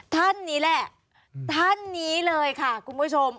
ท่านนี้แหละท่านนี้เลยค่ะคุณผู้ชม